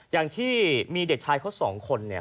อย่างที่มีเด็กชายเขาสองคนเนี่ย